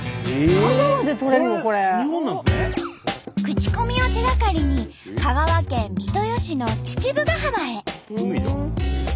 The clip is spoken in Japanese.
口コミを手がかりに香川県三豊市の父母ヶ浜へ。